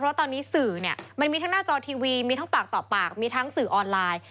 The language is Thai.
เพราะตอนนี้สื่อเนี่ยมันมีทั้งหน้าจอทีวีมีทั้งปากต่อปากมีทั้งสื่อออนไลน์